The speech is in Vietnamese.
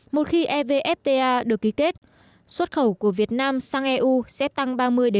một khi evfta được ký kết xuất khẩu của việt nam sang eu sẽ tăng ba mươi ba mươi